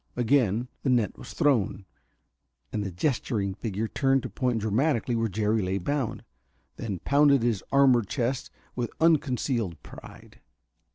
Again the net was thrown, and the gesturing figure turned to point dramatically where Jerry lay bound, then pounded his armored chest with unconcealed pride.